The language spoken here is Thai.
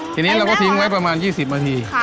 ทีนี้เราก็ทิ้งไว้ประมาณ๒๐นาที